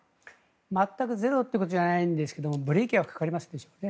全くゼロということではないんですがブレーキはかかりますでしょうね。